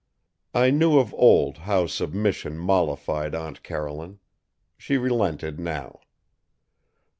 I knew of old how submission mollified Aunt Caroline. She relented, now.